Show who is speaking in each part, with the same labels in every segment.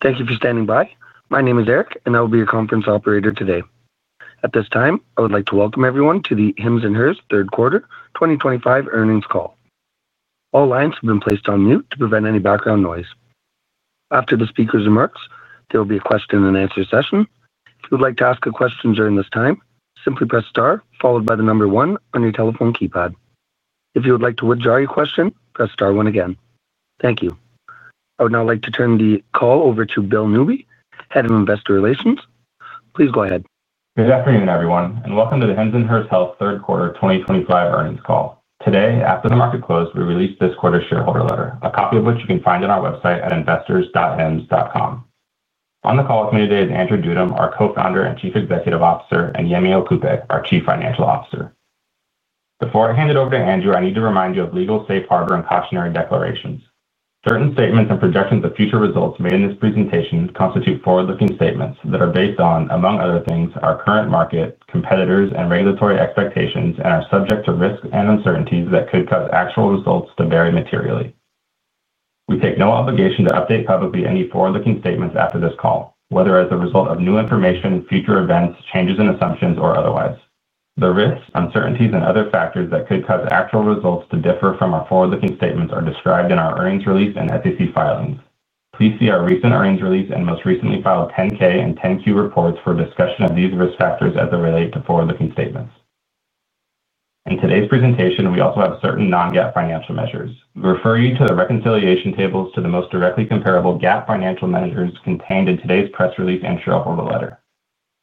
Speaker 1: Thank you for standing by. My name is Eric, and I will be your conference operator today. At this time, I would like to welcome everyone to the Hims & Hers third quarter 2025 earnings call. All lines have been placed on mute to prevent any background noise. After the speaker's remarks, there will be a question-and-answer session. If you would like to ask a question during this time, simply press star followed by the number one on your telephone keypad. If you would like to withdraw your question, press star one again. Thank you. I would now like to turn the call over to Bill Newby, Head of Investor Relations. Please go ahead.
Speaker 2: Good afternoon, everyone, and welcome to the Hims & Hers Health third quarter 2025 earnings call. Today, after the market closed, we released this quarter's shareholder letter, a copy of which you can find on our website at investors.hims.com. On the call with me today is Andrew Dudum, our Co-founder and Chief Executive Officer, and Yemi Okupe, our Chief Financial Officer. Before I hand it over to Andrew, I need to remind you of legal safe harbor and cautionary declarations. Certain statements and projections of future results made in this presentation constitute forward-looking statements that are based on, among other things, our current market, competitors, and regulatory expectations, and are subject to risks and uncertainties that could cause actual results to vary materially. We take no obligation to update publicly any forward-looking statements after this call, whether as a result of new information, future events, changes in assumptions, or otherwise. The risks, uncertainties, and other factors that could cause actual results to differ from our forward-looking statements are described in our earnings release and SEC filings. Please see our recent earnings release and most recently filed 10-K and 10-Q reports for discussion of these risk factors as they relate to forward-looking statements. In today's presentation, we also have certain non-GAAP financial measures. We refer you to the reconciliation tables to the most directly comparable GAAP financial measures contained in today's press release and shareholder letter.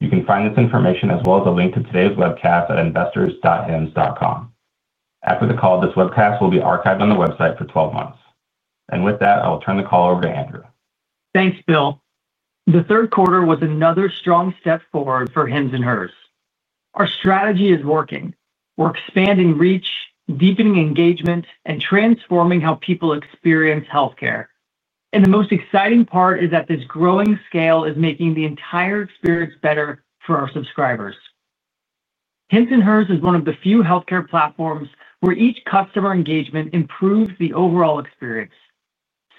Speaker 2: You can find this information as well as a link to today's webcast at investors.hims.com. After the call, this webcast will be archived on the website for 12 months. With that, I will turn the call over to Andrew.
Speaker 3: Thanks, Bill. The third quarter was another strong step forward for Hims & Hers. Our strategy is working. We're expanding reach, deepening engagement, and transforming how people experience healthcare. The most exciting part is that this growing scale is making the entire experience better for our subscribers. Hims & Hers is one of the few healthcare platforms where each customer engagement improves the overall experience.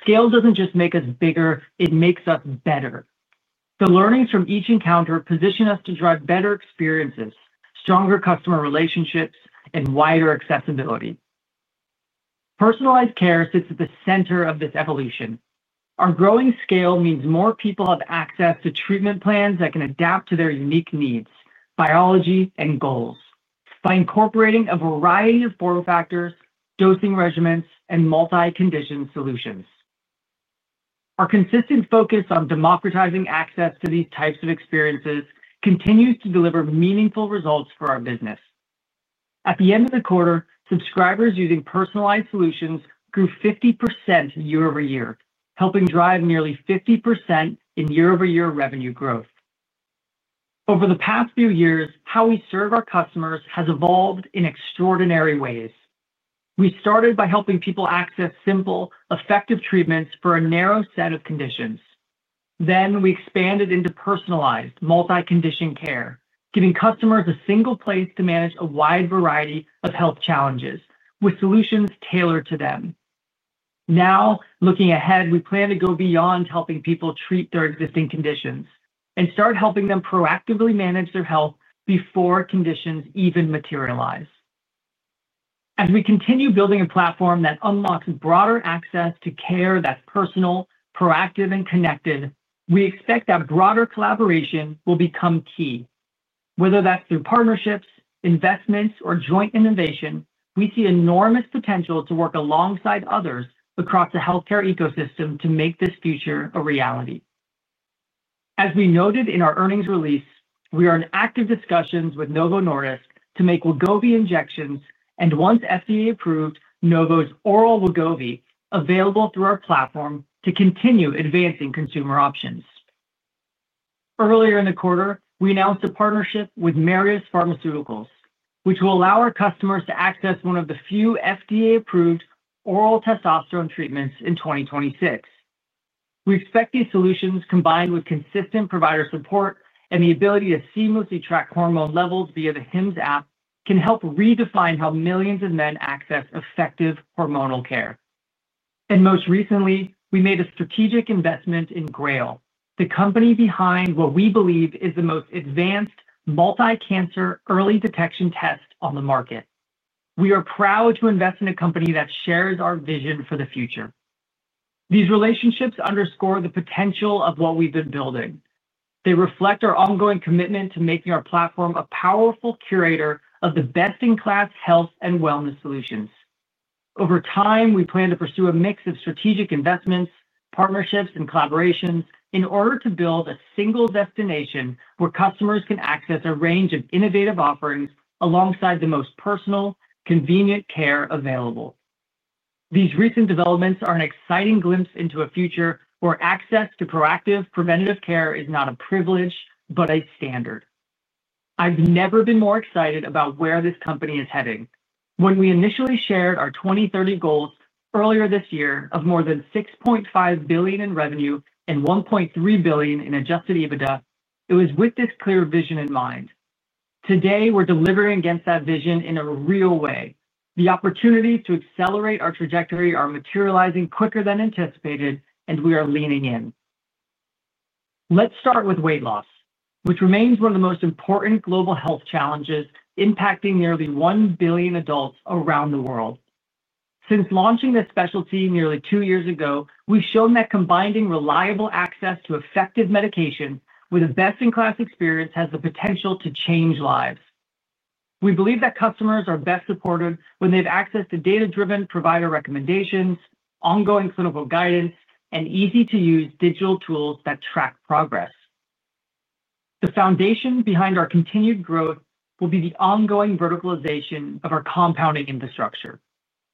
Speaker 3: Scale doesn't just make us bigger, it makes us better. The learnings from each encounter position us to drive better experiences, stronger customer relationships, and wider accessibility. Personalized care sits at the center of this evolution. Our growing scale means more people have access to treatment plans that can adapt to their unique needs, biology, and goals by incorporating a variety of form factors, dosing regimens, and multi-condition solutions. Our consistent focus on democratizing access to these types of experiences continues to deliver meaningful results for our business. At the end of the quarter, subscribers using personalized solutions grew 50% year-over-year, helping drive nearly 50% in year-over-year revenue growth. Over the past few years, how we serve our customers has evolved in extraordinary ways. We started by helping people access simple, effective treatments for a narrow set of conditions. We expanded into personalized, multi-condition care, giving customers a single place to manage a wide variety of health challenges with solutions tailored to them. Now, looking ahead, we plan to go beyond helping people treat their existing conditions and start helping them proactively manage their health before conditions even materialize. As we continue building a platform that unlocks broader access to care that's personal, proactive, and connected, we expect that broader collaboration will become key. Whether that's through partnerships, investments, or joint innovation, we see enormous potential to work alongside others across the healthcare ecosystem to make this future a reality. As we noted in our earnings release, we are in active discussions with Novo Nordisk to make Wegovy injections and, once FDA-approved, Novo's oral Wegovy available through our platform to continue advancing consumer options. Earlier in the quarter, we announced a partnership with Marius Pharmaceuticals, which will allow our customers to access one of the few FDA-approved oral testosterone treatments in 2026. We expect these solutions, combined with consistent provider support and the ability to seamlessly track hormone levels via the Hims app, can help redefine how millions of men access effective hormonal care. Most recently, we made a strategic investment in GRAIL, the company behind what we believe is the most advanced multi-cancer early detection test on the market. We are proud to invest in a company that shares our vision for the future. These relationships underscore the potential of what we've been building. They reflect our ongoing commitment to making our platform a powerful curator of the best-in-class health and wellness solutions. Over time, we plan to pursue a mix of strategic investments, partnerships, and collaborations in order to build a single destination where customers can access a range of innovative offerings alongside the most personal, convenient care available. These recent developments are an exciting glimpse into a future where access to proactive, preventative care is not a privilege but a standard. I've never been more excited about where this company is heading. When we initially shared our 2030 goals earlier this year of more than $6.5 billion in revenue and $1.3 billion in adjusted EBITDA, it was with this clear vision in mind. Today, we're delivering against that vision in a real way. The opportunities to accelerate our trajectory are materializing quicker than anticipated, and we are leaning in. Let's start with weight loss, which remains one of the most important global health challenges impacting nearly 1 billion adults around the world. Since launching this specialty nearly two years ago, we've shown that combining reliable access to effective medication with a best-in-class experience has the potential to change lives. We believe that customers are best supported when they have access to data-driven provider recommendations, ongoing clinical guidance, and easy-to-use digital tools that track progress. The foundation behind our continued growth will be the ongoing verticalization of our compounding infrastructure.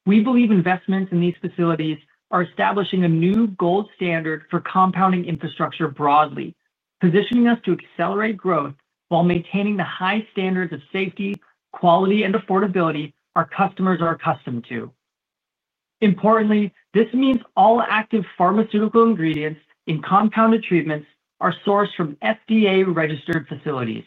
Speaker 3: We believe investments in these facilities are establishing a new gold standard for compounding infrastructure broadly, positioning us to accelerate growth while maintaining the high standards of safety, quality, and affordability our customers are accustomed to. Importantly, this means all active pharmaceutical ingredients in compounded treatments are sourced from FDA-registered facilities.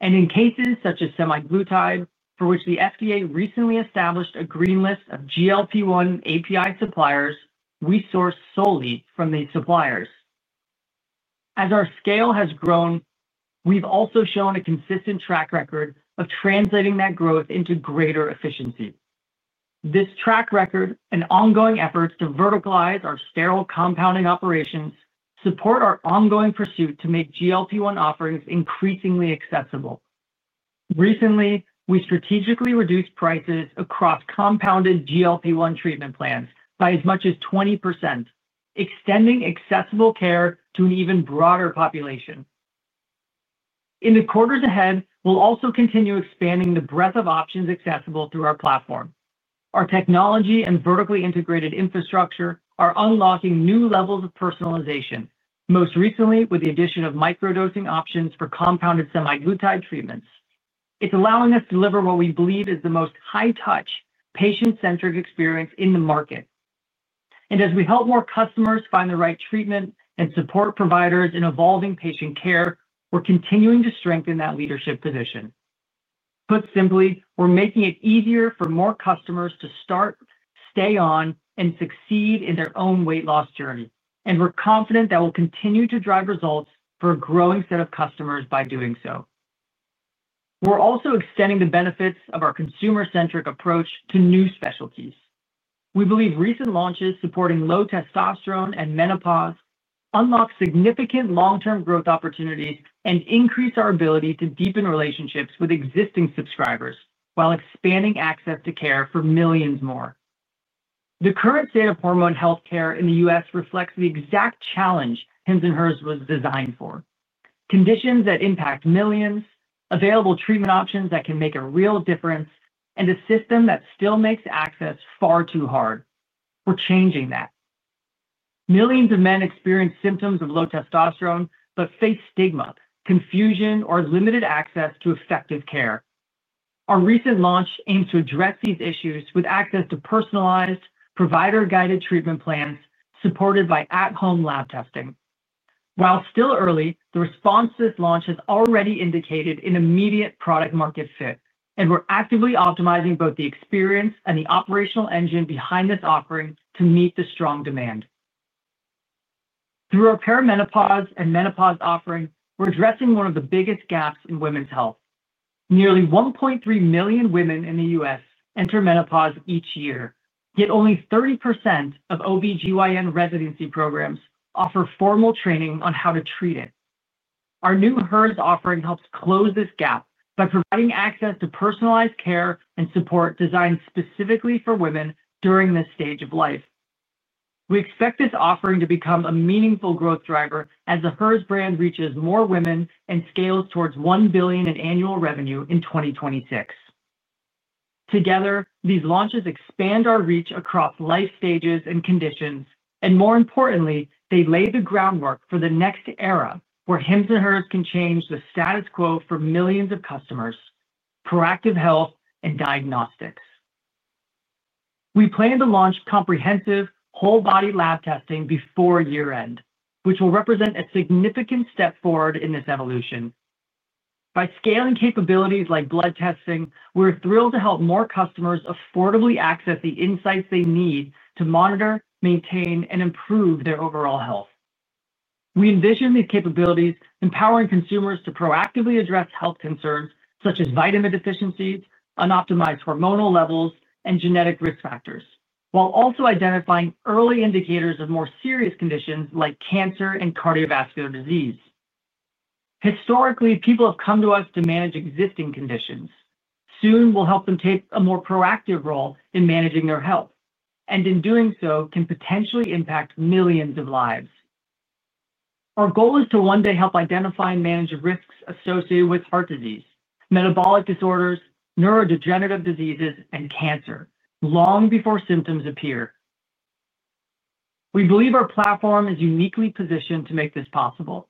Speaker 3: In cases such as semaglutide, for which the FDA recently established a green list of GLP-1 API suppliers, we source solely from these suppliers. As our scale has grown, we've also shown a consistent track record of translating that growth into greater efficiency. This track record and ongoing efforts to verticalize our sterile compounding operations support our ongoing pursuit to make GLP-1 offerings increasingly accessible. Recently, we strategically reduced prices across compounded GLP-1 treatment plans by as much as 20%, extending accessible care to an even broader population. In the quarters ahead, we'll also continue expanding the breadth of options accessible through our platform. Our technology and vertically integrated infrastructure are unlocking new levels of personalization, most recently with the addition of microdosing options for compounded semaglutide treatments. It's allowing us to deliver what we believe is the most high-touch, patient-centric experience in the market. As we help more customers find the right treatment and support providers in evolving patient care, we're continuing to strengthen that leadership position. Put simply, we're making it easier for more customers to start, stay on, and succeed in their own weight loss journey. We're confident that we'll continue to drive results for a growing set of customers by doing so. We're also extending the benefits of our consumer-centric approach to new specialties. We believe recent launches supporting low testosterone and menopause unlock significant long-term growth opportunities and increase our ability to deepen relationships with existing subscribers while expanding access to care for millions more. The current state of hormone healthcare in the U.S. reflects the exact challenge Hims & Hers was designed for: conditions that impact millions, available treatment options that can make a real difference, and a system that still makes access far too hard. We're changing that. Millions of men experience symptoms of low testosterone but face stigma, confusion, or limited access to effective care. Our recent launch aims to address these issues with access to personalized, provider-guided treatment plans supported by at-home lab testing. While still early, the response to this launch has already indicated an immediate product-market fit, and we're actively optimizing both the experience and the operational engine behind this offering to meet the strong demand. Through our perimenopause and menopause offering, we're addressing one of the biggest gaps in women's health. Nearly 1.3 million women in the U.S. enter menopause each year, yet only 30% of OBGYN residency programs offer formal training on how to treat it. Our new Hers offering helps close this gap by providing access to personalized care and support designed specifically for women during this stage of life. We expect this offering to become a meaningful growth driver as the Hers brand reaches more women and scales towards $1 billion in annual revenue in 2026. Together, these launches expand our reach across life stages and conditions, and more importantly, they lay the groundwork for the next era where Hims & Hers can change the status quo for millions of customers: proactive health and diagnostics. We plan to launch comprehensive, whole-body lab testing before year-end, which will represent a significant step forward in this evolution. By scaling capabilities like blood testing, we're thrilled to help more customers affordably access the insights they need to monitor, maintain, and improve their overall health. We envision these capabilities empowering consumers to proactively address health concerns such as vitamin deficiencies, unoptimized hormonal levels, and genetic risk factors, while also identifying early indicators of more serious conditions like cancer and cardiovascular disease. Historically, people have come to us to manage existing conditions. Soon, we'll help them take a more proactive role in managing their health, and in doing so, can potentially impact millions of lives. Our goal is to one day help identify and manage the risks associated with heart disease, metabolic disorders, neurodegenerative diseases, and cancer long before symptoms appear. We believe our platform is uniquely positioned to make this possible.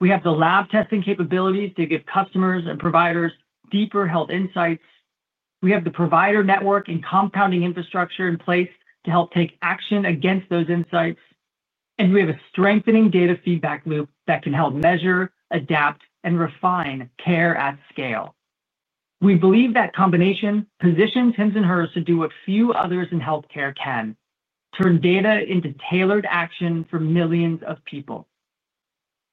Speaker 3: We have the lab testing capabilities to give customers and providers deeper health insights. We have the provider network and compounding infrastructure in place to help take action against those insights. And we have a strengthening data feedback loop that can help measure, adapt, and refine care at scale. We believe that combination positions Hims & Hers to do what few others in healthcare can: turn data into tailored action for millions of people.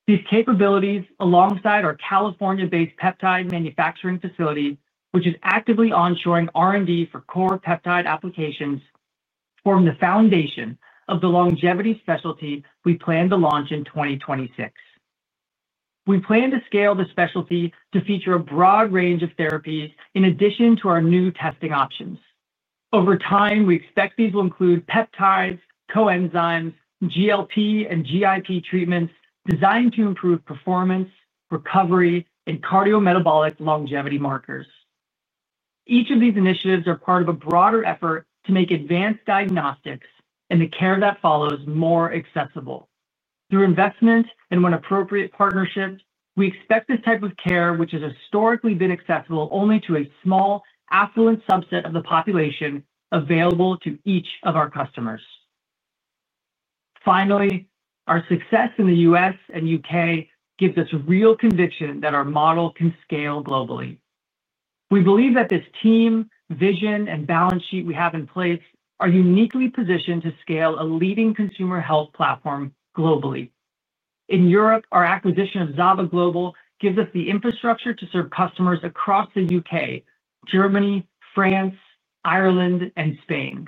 Speaker 3: These capabilities, alongside our California-based peptide manufacturing facility, which is actively onshoring R&D for core peptide applications, form the foundation of the longevity specialty we plan to launch in 2026. We plan to scale the specialty to feature a broad range of therapies in addition to our new testing options. Over time, we expect these will include peptides, coenzymes, GLP, and GIP treatments designed to improve performance, recovery, and cardiometabolic longevity markers. Each of these initiatives is part of a broader effort to make advanced diagnostics and the care that follows more accessible. Through investment and, when appropriate, partnerships, we expect this type of care, which has historically been accessible only to a small, affluent subset of the population, available to each of our customers. Finally, our success in the U.S. and U.K. gives us real conviction that our model can scale globally. We believe that this team, vision, and balance sheet we have in place are uniquely positioned to scale a leading consumer health platform globally. In Europe, our acquisition of ZAVA Global gives us the infrastructure to serve customers across the U.K., Germany, France, Ireland, and Spain.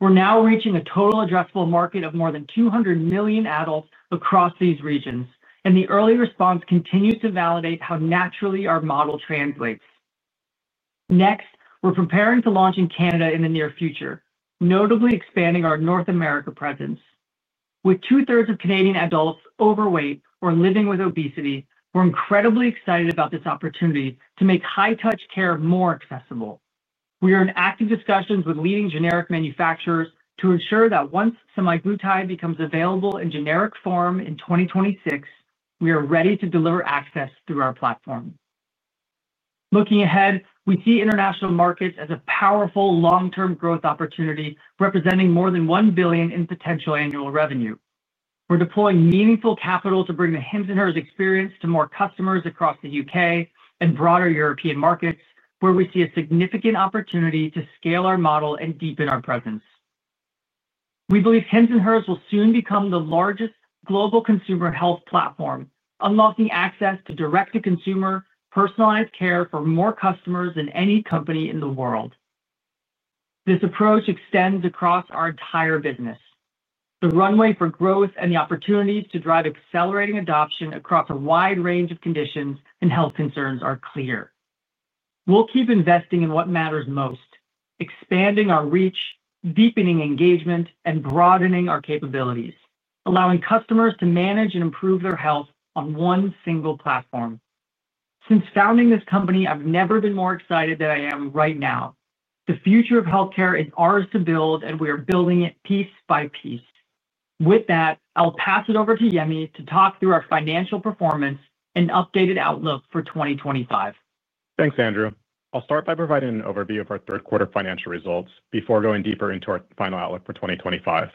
Speaker 3: We're now reaching a total addressable market of more than 200 million adults across these regions, and the early response continues to validate how naturally our model translates. Next, we're preparing to launch in Canada in the near future, notably expanding our North America presence. With 2/3 of Canadian adults overweight or living with obesity, we're incredibly excited about this opportunity to make high-touch care more accessible. We are in active discussions with leading generic manufacturers to ensure that once semaglutide becomes available in generic form in 2026, we are ready to deliver access through our platform. Looking ahead, we see international markets as a powerful long-term growth opportunity representing more than $1 billion in potential annual revenue. We're deploying meaningful capital to bring the Hims & Hers experience to more customers across the U.K. and broader European markets, where we see a significant opportunity to scale our model and deepen our presence. We believe Hims & Hers will soon become the largest global consumer health platform, unlocking access to direct-to-consumer personalized care for more customers than any company in the world. This approach extends across our entire business. The runway for growth and the opportunities to drive accelerating adoption across a wide range of conditions and health concerns are clear. We'll keep investing in what matters most: expanding our reach, deepening engagement, and broadening our capabilities, allowing customers to manage and improve their health on one single platform. Since founding this company, I've never been more excited than I am right now. The future of healthcare is ours to build, and we are building it piece by piece. With that, I'll pass it over to Yemi to talk through our financial performance and updated outlook for 2025.
Speaker 4: Thanks, Andrew. I'll start by providing an overview of our third-quarter financial results before going deeper into our final outlook for 2025.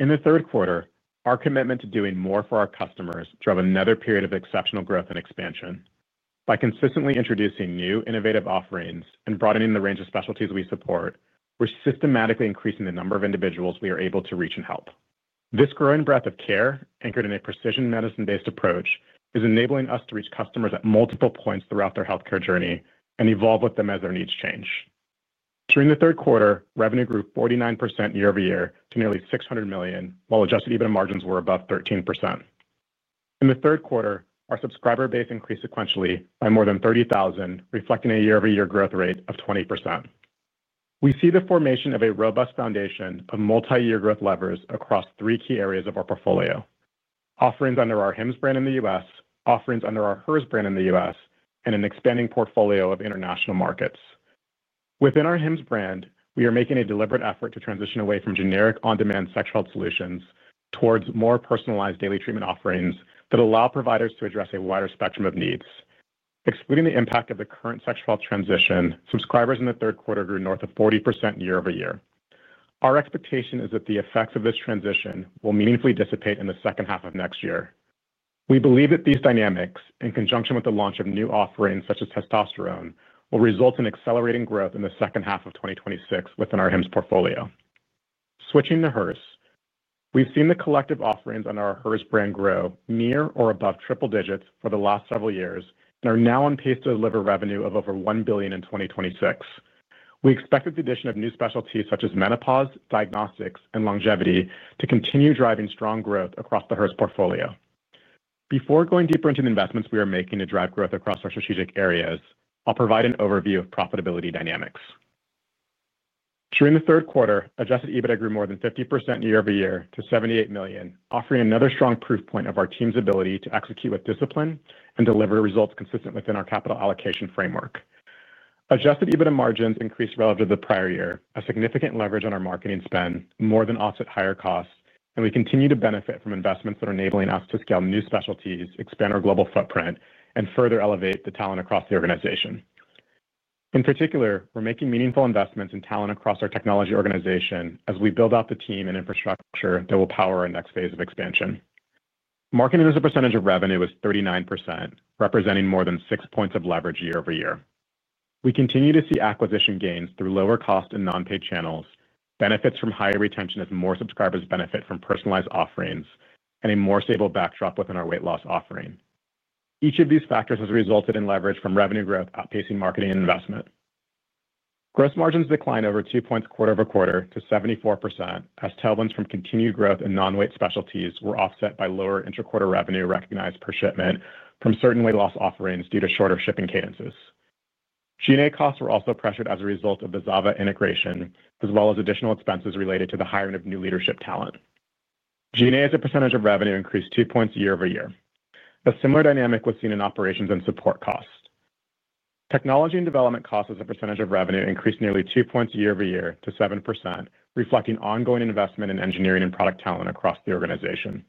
Speaker 4: In the third quarter, our commitment to doing more for our customers drove another period of exceptional growth and expansion. By consistently introducing new, innovative offerings and broadening the range of specialties we support, we're systematically increasing the number of individuals we are able to reach and help. This growing breadth of care, anchored in a precision medicine-based approach, is enabling us to reach customers at multiple points throughout their healthcare journey and evolve with them as their needs change. During the third quarter, revenue grew 49% year-over-year to nearly $600 million, while adjusted EBITDA margins were above 13%. In the third quarter, our subscriber base increased sequentially by more than 30,000, reflecting a year-over-year growth rate of 20%. We see the formation of a robust foundation of multi-year growth levers across three key areas of our portfolio: offerings under our Hims brand in the U.S., offerings under our Hers brand in the U.S., and an expanding portfolio of international markets. Within our Hims brand, we are making a deliberate effort to transition away from generic on-demand sexual health solutions towards more personalized daily treatment offerings that allow providers to address a wider spectrum of needs. Excluding the impact of the current sexual health transition, subscribers in the third quarter grew north of 40% year-over-year. Our expectation is that the effects of this transition will meaningfully dissipate in the second half of next year. We believe that these dynamics, in conjunction with the launch of new offerings such as testosterone, will result in accelerating growth in the second half of 2026 within our Hims portfolio. Switching to Hers, we've seen the collective offerings under our Hers brand grow near or above triple digits for the last several years and are now on pace to deliver revenue of over $1 billion in 2026. We expect the addition of new specialties such as menopause, diagnostics, and longevity to continue driving strong growth across the Hers portfolio. Before going deeper into the investments we are making to drive growth across our strategic areas, I'll provide an overview of profitability dynamics. During the third quarter, adjusted EBITDA grew more than 50% year-over-year to $78 million, offering another strong proof point of our team's ability to execute with discipline and deliver results consistent within our capital allocation framework. Adjusted EBITDA margins increased relative to the prior year, a significant leverage on our marketing spend, more than offset higher costs, and we continue to benefit from investments that are enabling us to scale new specialties, expand our global footprint, and further elevate the talent across the organization. In particular, we're making meaningful investments in talent across our technology organization as we build out the team and infrastructure that will power our next phase of expansion. Marketing as a percentage of revenue was 39%, representing more than six points of leverage year-over-year. We continue to see acquisition gains through lower cost and non-paid channels, benefits from higher retention as more subscribers benefit from personalized offerings, and a more stable backdrop within our weight loss offering. Each of these factors has resulted in leverage from revenue growth outpacing marketing and investment. Gross margins declined over two points quarter-over-quarter to 74% as tailwinds from continued growth in non-weight specialties were offset by lower intra-quarter revenue recognized per shipment from certain weight loss offerings due to shorter shipping cadences. G&A costs were also pressured as a result of the ZAVA integration, as well as additional expenses related to the hiring of new leadership talent. G&A as a percentage of revenue increased two points year-over-year. A similar dynamic was seen in operations and support costs. Technology and development costs as a percentage of revenue increased nearly two points year-over-year to 7%, reflecting ongoing investment in engineering and product talent across the organization.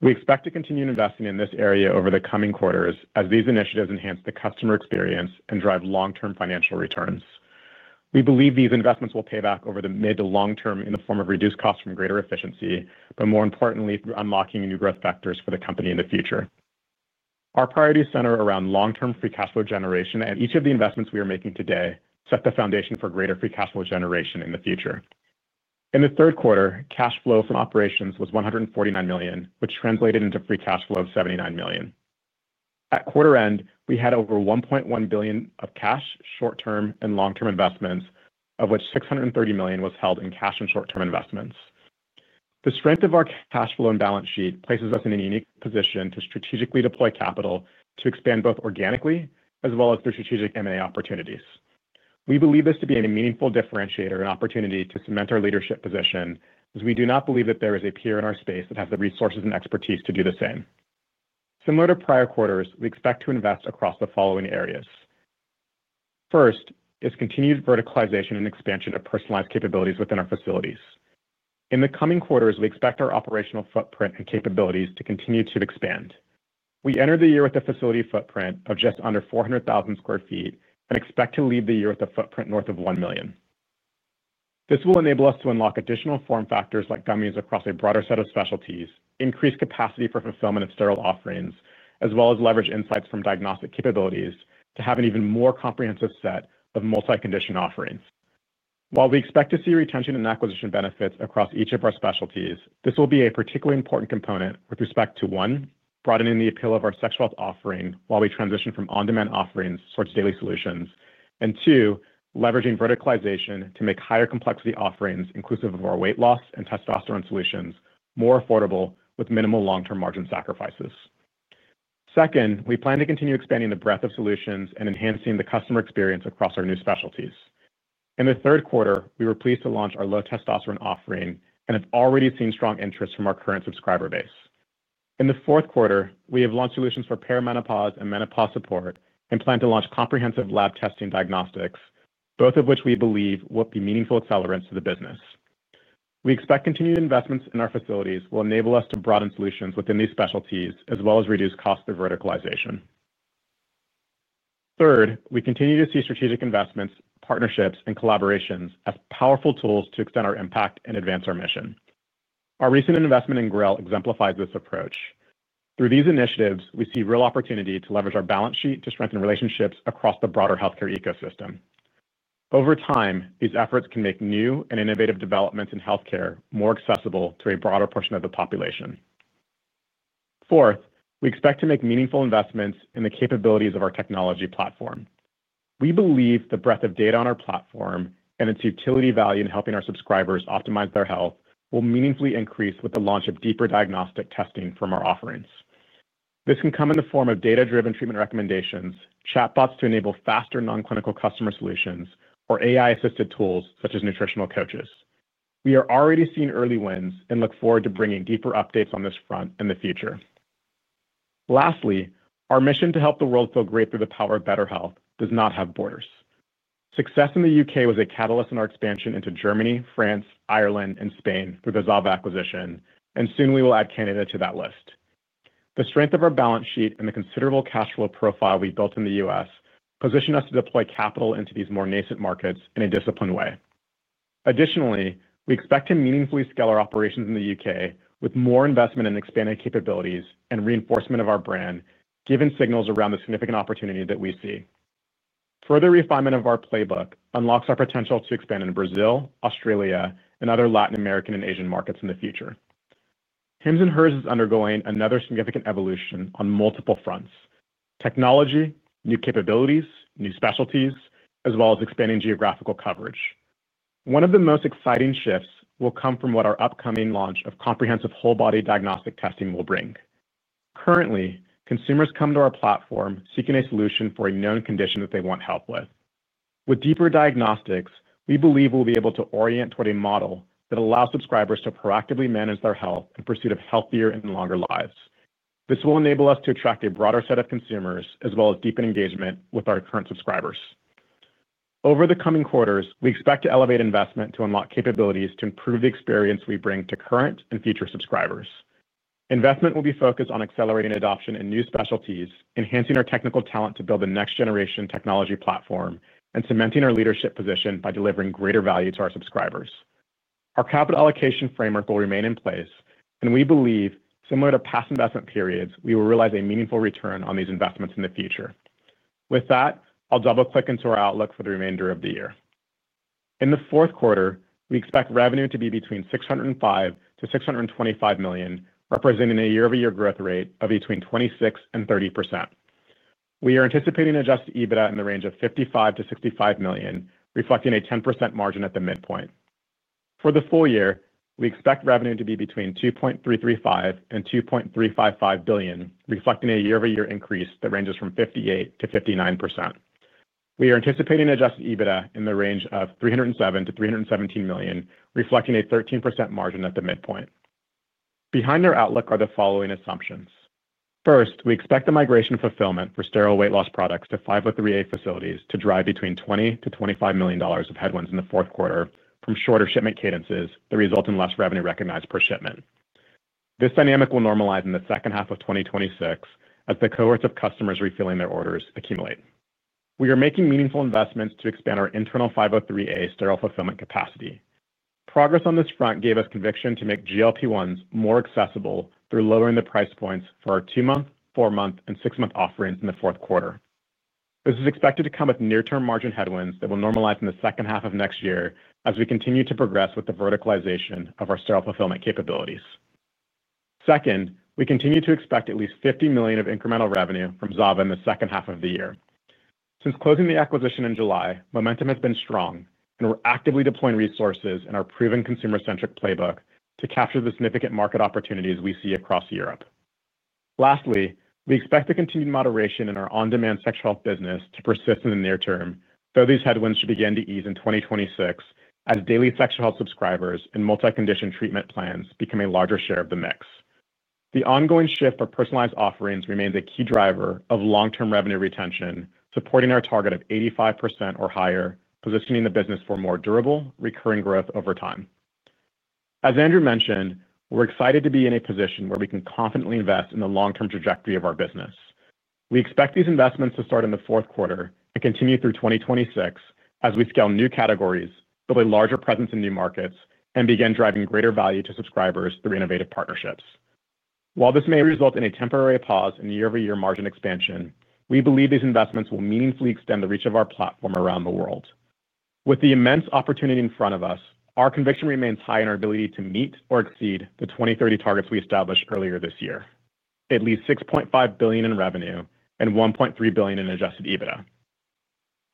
Speaker 4: We expect to continue investing in this area over the coming quarters as these initiatives enhance the customer experience and drive long-term financial returns. We believe these investments will pay back over the mid to long term in the form of reduced costs from greater efficiency, but more importantly, through unlocking new growth factors for the company in the future. Our priorities center around long-term free cash flow generation, and each of the investments we are making today set the foundation for greater free cash flow generation in the future. In the third quarter, cash flow from operations was $149 million, which translated into free cash flow of $79 million. At quarter end, we had over $1.1 billion of cash, short-term, and long-term investments, of which $630 million was held in cash and short-term investments. The strength of our cash flow and balance sheet places us in a unique position to strategically deploy capital to expand both organically as well as through strategic M&A opportunities. We believe this to be a meaningful differentiator and opportunity to cement our leadership position, as we do not believe that there is a peer in our space that has the resources and expertise to do the same. Similar to prior quarters, we expect to invest across the following areas. First is continued verticalization and expansion of personalized capabilities within our facilities. In the coming quarters, we expect our operational footprint and capabilities to continue to expand. We entered the year with a facility footprint of just under 400,000 sq ft and expect to leave the year with a footprint north of 1 million sq ft. This will enable us to unlock additional form factors like gummies across a broader set of specialties, increase capacity for fulfillment of sterile offerings, as well as leverage insights from diagnostic capabilities to have an even more comprehensive set of multi-condition offerings. While we expect to see retention and acquisition benefits across each of our specialties, this will be a particularly important component with respect to, one, broadening the appeal of our sexual health offering while we transition from on-demand offerings towards daily solutions, and two, leveraging verticalization to make higher complexity offerings, inclusive of our weight loss and testosterone solutions, more affordable with minimal long-term margin sacrifices. Second, we plan to continue expanding the breadth of solutions and enhancing the customer experience across our new specialties. In the third quarter, we were pleased to launch our low testosterone offering, and it's already seen strong interest from our current subscriber base. In the fourth quarter, we have launched solutions for perimenopause and menopause support and plan to launch comprehensive lab testing diagnostics, both of which we believe will be meaningful accelerants to the business. We expect continued investments in our facilities will enable us to broaden solutions within these specialties as well as reduce costs through verticalization. Third, we continue to see strategic investments, partnerships, and collaborations as powerful tools to extend our impact and advance our mission. Our recent investment in GRAIL exemplifies this approach. Through these initiatives, we see real opportunity to leverage our balance sheet to strengthen relationships across the broader healthcare ecosystem. Over time, these efforts can make new and innovative developments in healthcare more accessible to a broader portion of the population. Fourth, we expect to make meaningful investments in the capabilities of our technology platform. We believe the breadth of data on our platform and its utility value in helping our subscribers optimize their health will meaningfully increase with the launch of deeper diagnostic testing from our offerings. This can come in the form of data-driven treatment recommendations, chatbots to enable faster non-clinical customer solutions, or AI-assisted tools such as nutritional coaches. We are already seeing early wins and look forward to bringing deeper updates on this front in the future. Lastly, our mission to help the world feel great through the power of better health does not have borders. Success in the U.K. was a catalyst in our expansion into Germany, France, Ireland, and Spain through the ZAVA acquisition, and soon we will add Canada to that list. The strength of our balance sheet and the considerable cash flow profile we built in the U.S. position us to deploy capital into these more nascent markets in a disciplined way. Additionally, we expect to meaningfully scale our operations in the U.K. with more investment in expanding capabilities and reinforcement of our brand, given signals around the significant opportunity that we see. Further refinement of our playbook unlocks our potential to expand in Brazil, Australia, and other Latin American and Asian markets in the future. Hims & Hers is undergoing another significant evolution on multiple fronts: technology, new capabilities, new specialties, as well as expanding geographical coverage. One of the most exciting shifts will come from what our upcoming launch of comprehensive whole-body diagnostic testing will bring. Currently, consumers come to our platform seeking a solution for a known condition that they want help with. With deeper diagnostics, we believe we'll be able to orient toward a model that allows subscribers to proactively manage their health in pursuit of healthier and longer lives. This will enable us to attract a broader set of consumers as well as deepen engagement with our current subscribers. Over the coming quarters, we expect to elevate investment to unlock capabilities to improve the experience we bring to current and future subscribers. Investment will be focused on accelerating adoption in new specialties, enhancing our technical talent to build a next-generation technology platform, and cementing our leadership position by delivering greater value to our subscribers. Our capital allocation framework will remain in place, and we believe, similar to past investment periods, we will realize a meaningful return on these investments in the future. With that, I'll double-click into our outlook for the remainder of the year. In the fourth quarter, we expect revenue to be between $605 million-$625 million, representing a year-over-year growth rate of between 26%-30%. We are anticipating adjusted EBITDA in the range of $55 million-$65 million, reflecting a 10% margin at the midpoint. For the full year, we expect revenue to be between $2.335 billion-$2.355 billion, reflecting a year-over-year increase that ranges from 58%-59%. We are anticipating adjusted EBITDA in the range of $307 million-$317 million, reflecting a 13% margin at the midpoint. Behind our outlook are the following assumptions. First, we expect the migration fulfillment for sterile weight loss products to 503(a) facilities to drive between $20 million-$25 million of headwinds in the fourth quarter from shorter shipment cadences that result in less revenue recognized per shipment. This dynamic will normalize in the second half of 2026 as the cohorts of customers refilling their orders accumulate. We are making meaningful investments to expand our internal 503(a) sterile fulfillment capacity. Progress on this front gave us conviction to make GLP-1s more accessible through lowering the price points for our two-month, four-month, and six-month offerings in the fourth quarter. This is expected to come with near-term margin headwinds that will normalize in the second half of next year as we continue to progress with the verticalization of our sterile fulfillment capabilities. Second, we continue to expect at least $50 million of incremental revenue from ZAVA in the second half of the year. Since closing the acquisition in July, momentum has been strong, and we're actively deploying resources in our proven consumer-centric playbook to capture the significant market opportunities we see across Europe. Lastly, we expect the continued moderation in our on-demand sexual health business to persist in the near term, though these headwinds should begin to ease in 2026 as daily sexual health subscribers and multi-condition treatment plans become a larger share of the mix. The ongoing shift for personalized offerings remains a key driver of long-term revenue retention, supporting our target of 85% or higher, positioning the business for more durable, recurring growth over time. As Andrew mentioned, we're excited to be in a position where we can confidently invest in the long-term trajectory of our business. We expect these investments to start in the fourth quarter and continue through 2026 as we scale new categories, build a larger presence in new markets, and begin driving greater value to subscribers through innovative partnerships. While this may result in a temporary pause in year-over-year margin expansion, we believe these investments will meaningfully extend the reach of our platform around the world. With the immense opportunity in front of us, our conviction remains high in our ability to meet or exceed the 2030 targets we established earlier this year: at least $6.5 billion in revenue and $1.3 billion in adjusted EBITDA.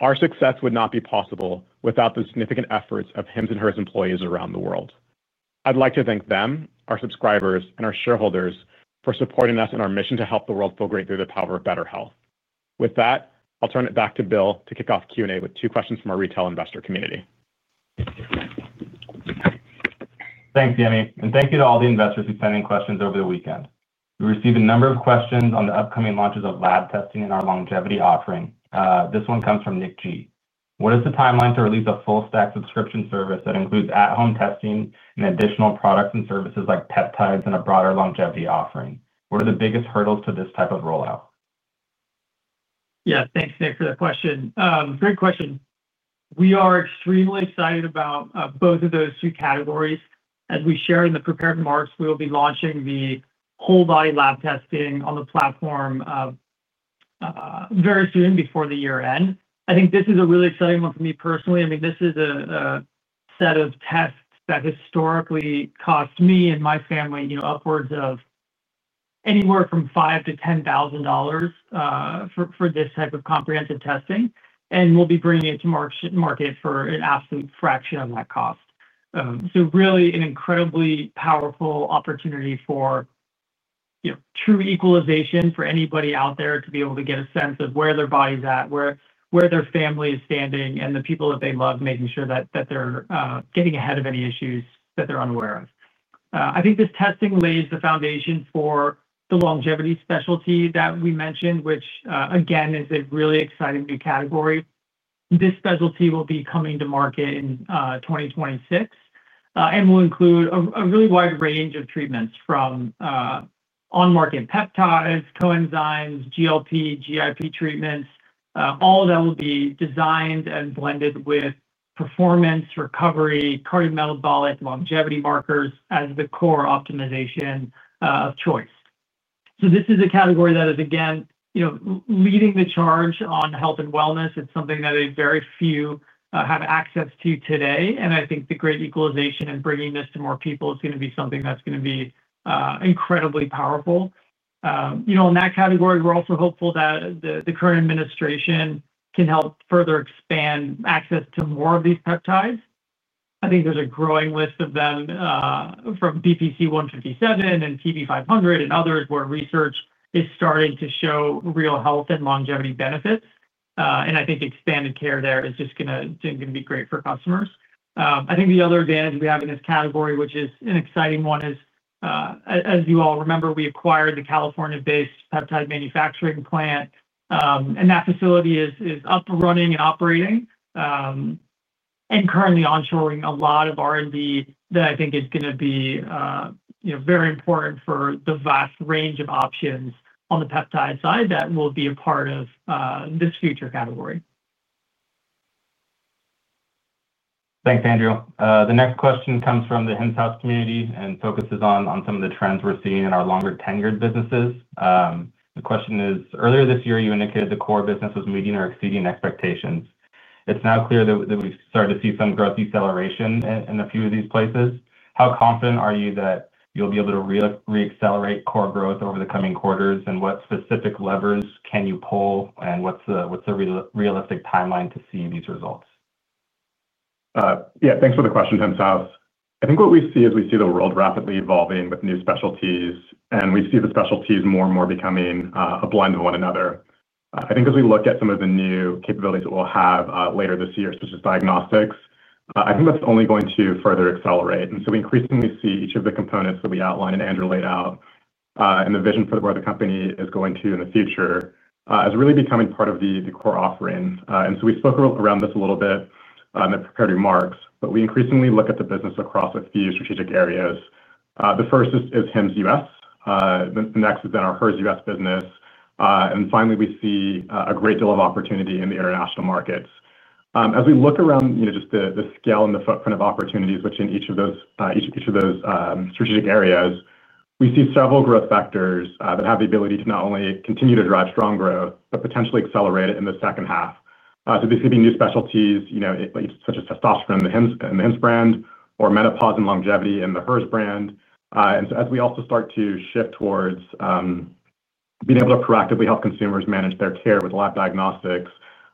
Speaker 4: Our success would not be possible without the significant efforts of Hims & Hers employees around the world. I'd like to thank them, our subscribers, and our shareholders for supporting us in our mission to help the world feel great through the power of better health. With that, I'll turn it back to Bill to kick off Q&A with two questions from our retail investor community.
Speaker 2: Thanks, Yemi. And thank you to all the investors who sent in questions over the weekend. We received a number of questions on the upcoming launches of lab testing in our longevity offering. This one comes from Nick G. What is the timeline to release a full-stack subscription service that includes at-home testing and additional products and services like peptides in a broader longevity offering? What are the biggest hurdles to this type of rollout?
Speaker 3: Yeah, thanks, Nick, for the question. Great question. We are extremely excited about both of those two categories. As we share in the prepared marks, we will be launching the whole-body lab testing on the platform very soon before the year-end. I think this is a really exciting one for me personally. I mean, this is a set of tests that historically cost me and my family upwards of anywhere from $5,000-$10,000 for this type of comprehensive testing. And we'll be bringing it to market for an absolute fraction of that cost. So really an incredibly powerful opportunity for true equalization for anybody out there to be able to get a sense of where their body's at, where their family is standing, and the people that they love, making sure that they're getting ahead of any issues that they're unaware of. I think this testing lays the foundation for the longevity specialty that we mentioned, which, again, is a really exciting new category. This specialty will be coming to market in 2026 and will include a really wide range of treatments from. On-market peptides, coenzymes, GLP, GIP treatments, all that will be designed and blended with performance, recovery, cardiometabolic, longevity markers as the core optimization of choice. This is a category that is, again, leading the charge on health and wellness. It's something that very few have access to today. I think the great equalization and bringing this to more people is going to be something that's going to be incredibly powerful. In that category, we're also hopeful that the current administration can help further expand access to more of these peptides. I think there's a growing list of them, from BPC-157 and TB-500 and others where research is starting to show real health and longevity benefits. I think expanded care there is just going to be great for customers. I think the other advantage we have in this category, which is an exciting one, is, as you all remember, we acquired the California-based peptide manufacturing plant. That facility is up and running and operating, and currently onshoring a lot of R&D that I think is going to be very important for the vast range of options on the peptide side that will be a part of this future category.
Speaker 2: Thanks, Andrew. The next question comes from the Hims & Hers community and focuses on some of the trends we're seeing in our longer-tenured businesses. The question is, earlier this year, you indicated the core business was meeting or exceeding expectations. It's now clear that we've started to see some growth acceleration in a few of these places. How confident are you that you'll be able to reaccelerate core growth over the coming quarters, and what specific levers can you pull, and what's the realistic timeline to see these results?
Speaker 4: Yeah, thanks for the question, Hims & Hers. I think what we see is we see the world rapidly evolving with new specialties, and we see the specialties more and more becoming a blend of one another. I think as we look at some of the new capabilities that we'll have later this year, such as diagnostics, I think that's only going to further accelerate. We increasingly see each of the components that we outlined and Andrew laid out, and the vision for where the company is going to in the future as really becoming part of the core offering. We spoke around this a little bit in the prepared marks, but we increasingly look at the business across a few strategic areas. The first is Hims US. The next is then our Hers US business. Finally, we see a great deal of opportunity in the international markets. As we look around just the scale and the footprint of opportunities, which in each of those strategic areas, we see several growth factors that have the ability to not only continue to drive strong growth, but potentially accelerate it in the second half. These could be new specialties such as testosterone in the Hims brand or menopause and longevity in the Hers brand. As we also start to shift towards being able to proactively help consumers manage their care with lab diagnostics,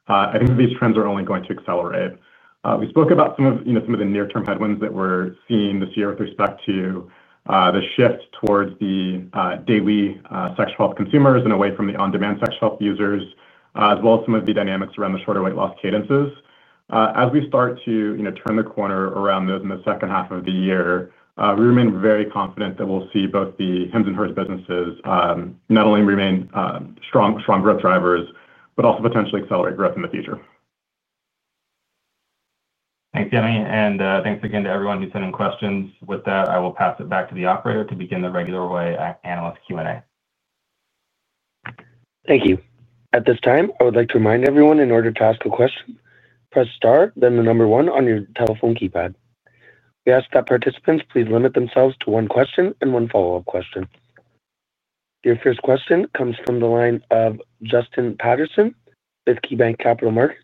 Speaker 4: I think these trends are only going to accelerate. We spoke about some of the near-term headwinds that we're seeing this year with respect to the shift towards the daily sexual health consumers and away from the on-demand sexual health users, as well as some of the dynamics around the shorter weight loss cadences. As we start to turn the corner around those in the second half of the year, we remain very confident that we'll see both the Hims & Hers businesses not only remain strong growth drivers, but also potentially accelerate growth in the future.
Speaker 2: Thanks, Yemi. Thanks again to everyone who sent in questions. With that, I will pass it back to the operator to begin the regular way analyst Q&A.
Speaker 1: Thank you. At this time, I would like to remind everyone in order to ask a question, press star, then the number one on your telephone keypad. We ask that participants please limit themselves to one question and one follow-up question. Your first question comes from the line of Justin Patterson with KeyBanc Capital Markets.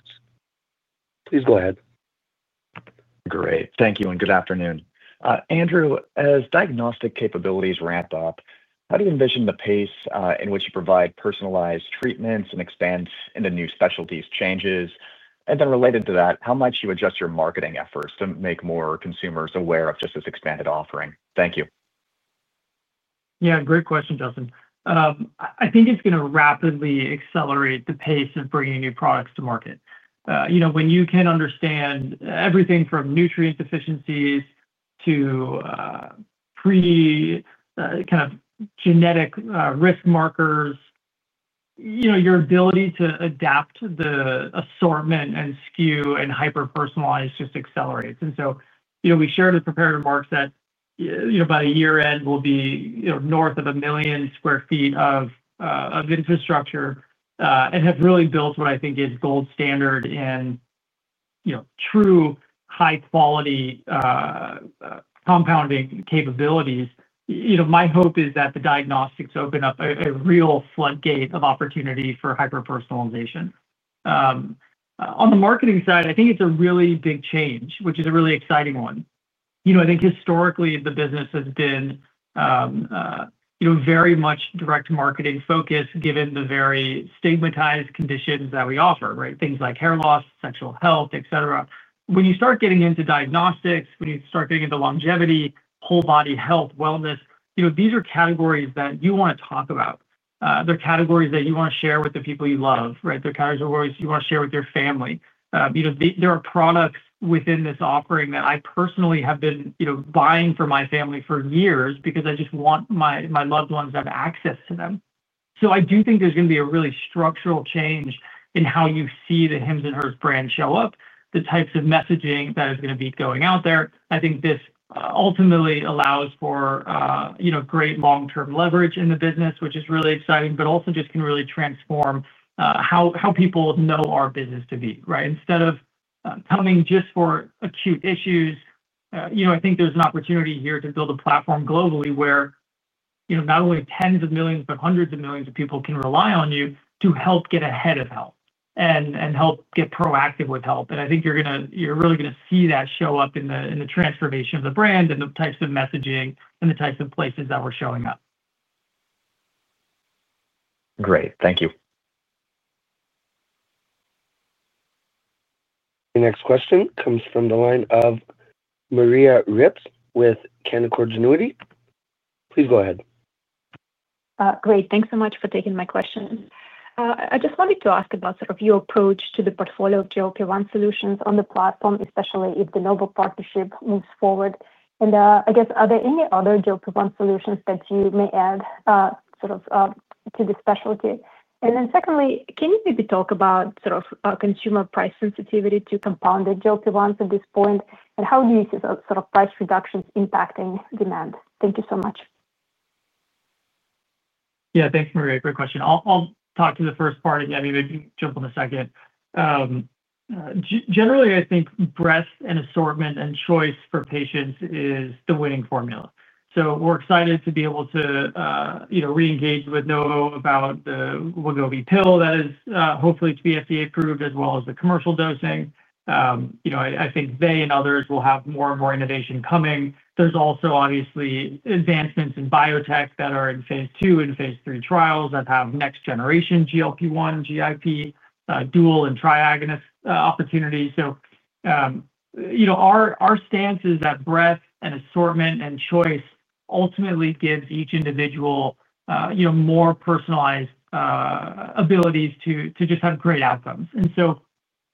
Speaker 1: Please go ahead.
Speaker 5: Great. Thank you and good afternoon. Andrew, as diagnostic capabilities ramp up, how do you envision the pace in which you provide personalized treatments and expand into new specialties changes? Related to that, how might you adjust your marketing efforts to make more consumers aware of just this expanded offering? Thank you.
Speaker 3: Yeah, great question, Justin. I think it's going to rapidly accelerate the pace of bringing new products to market. When you can understand everything from nutrient deficiencies to pre-kind of genetic risk markers, your ability to adapt the assortment and SKU and hyper-personalized just accelerates. We shared in the prepared remarks that by the year-end, we'll be north of 1 million sq ft of infrastructure and have really built what I think is gold standard in true high-quality compounding capabilities. My hope is that the diagnostics open up a real floodgate of opportunity for hyper-personalization. On the marketing side, I think it's a really big change, which is a really exciting one. I think historically, the business has been very much direct marketing-focused given the very stigmatized conditions that we offer, right? Things like hair loss, sexual health, etc. When you start getting into diagnostics, when you start getting into longevity, whole-body health, wellness, these are categories that you want to talk about. They're categories that you want to share with the people you love, right? They're categories you want to share with your family. There are products within this offering that I personally have been buying for my family for years because I just want my loved ones to have access to them. I do think there's going to be a really structural change in how you see the Hims & Hers brand show up, the types of messaging that is going to be going out there. I think this ultimately allows for great long-term leverage in the business, which is really exciting, but also just can really transform how people know our business to be, right? Instead of coming just for acute issues, I think there's an opportunity here to build a platform globally where not only tens of millions, but hundreds of millions of people can rely on you to help get ahead of health and help get proactive with health. I think you're really going to see that show up in the transformation of the brand and the types of messaging and the types of places that we're showing up.
Speaker 5: Great. Thank you.
Speaker 1: The next question comes from the line of Maria Ripps with Canaccord Genuity. Please go ahead.
Speaker 6: Great. Thanks so much for taking my question. I just wanted to ask about sort of your approach to the portfolio of GLP-1 solutions on the platform, especially if the Novo partnership moves forward. I guess, are there any other GLP-1 solutions that you may add sort of to the specialty? Then secondly, can you maybe talk about sort of consumer price sensitivity to compounded GLP-1s at this point? How do you see sort of price reductions impacting demand? Thank you so much.
Speaker 3: Yeah, thanks, Maria. Great question. I'll talk to the first part and Yemi, maybe jump on the second. Generally, I think breadth and assortment and choice for patients is the winning formula. We're excited to be able to reengage with Novo about the Wegovy pill that is hopefully to be FDA-approved as well as the commercial dosing. I think they and others will have more and more innovation coming. There's also obviously advancements in biotech that are in phase two and phase three trials that have next-generation GLP-1, GIP, dual, and triagonist opportunities. Our stance is that breadth and assortment and choice ultimately gives each individual more personalized abilities to just have great outcomes.